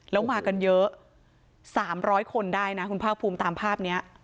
แล้วมากันเยอะ๓๐๐คนได้นะคุณภาคภูมิตามภาพนี้